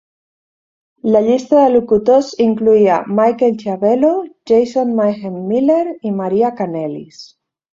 La llista de locutors incloïa Michael Schiavello, Jason "Mayhem" Miller i Maria Kanellis.